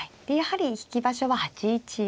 でやはり引き場所は８一。